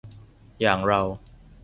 อย่างเรา